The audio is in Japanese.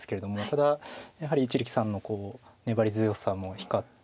ただやはり一力さんの粘り強さも光って。